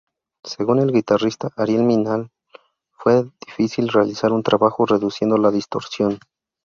Según el guitarrista, Ariel Minimal, fue difícil realizar un trabajo reduciendo la distorsión.